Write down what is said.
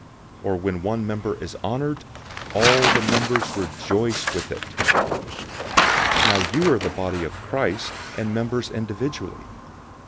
Or when one member is honored, all the members rejoice with it. 012:027 Now you are the body of Christ, and members individually.